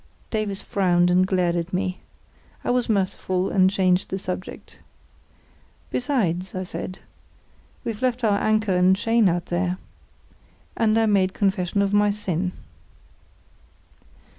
Davies frowned and glared at me. I was merciful and changed the subject. "Besides," I said, "we've left our anchor and chain out there." And I made confession of my sin.